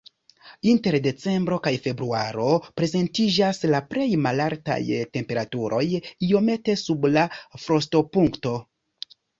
Inter decembro kaj februaro prezentiĝas la plej malaltaj temperaturoj, iomete sub la frostopunkto.